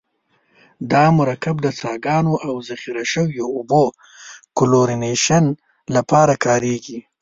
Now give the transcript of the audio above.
دا مرکب د څاګانو او ذخیره شویو اوبو کلورینیشن لپاره کاریږي.